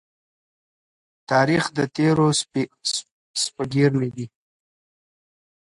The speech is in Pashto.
تاریخ د تېرو سپږېرنی دی.